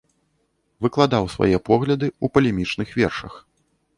Выкладаў свае погляды ў палемічных вершах.